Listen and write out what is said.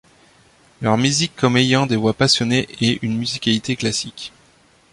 Leur musique comme ayant des voix passionnées et une musicalité classique.